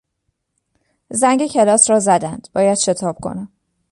زنگ کلاس را زدند باید شتاب کنم.